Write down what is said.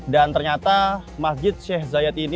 dan ternyata masjid sheikh zayed ini